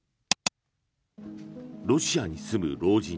ロシアに住む老人。